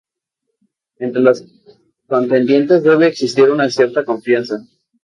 Entre los contendientes debe existir una cierta confianza.